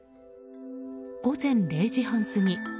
午前０時半過ぎ。